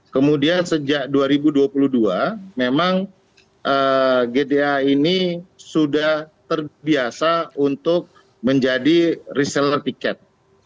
kemudian sejak dua ribu dua puluh dua memang gta ini sudah terbiasa untuk menjadi reseller tiket